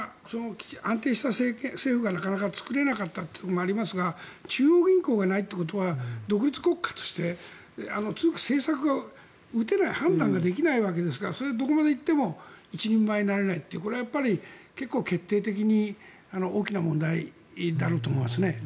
安定した政府がなかなか作れなかったこともありますが中央銀行がないということは独立国家として政策を打てない判断ができないわけですからそれはどこまで行っても一人前になれないというこれは結構、決定的に大きな問題だろうと思いますね。